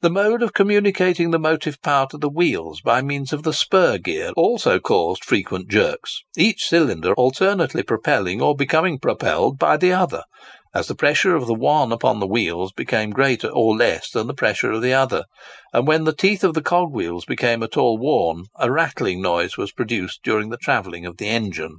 The mode of communicating the motive power to the wheels by means of the spur gear also caused frequent jerks, each cylinder alternately propelling or becoming propelled by the other, as the pressure of the one upon the wheels became greater or less than the pressure of the other; and when the teeth of the cogwheels became at all worn, a rattling noise was produced during the travelling of the engine.